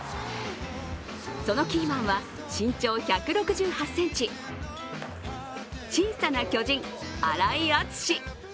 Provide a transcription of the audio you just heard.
そのキーマンは、身長１６８ｃｍ、小さな巨人・荒井陸。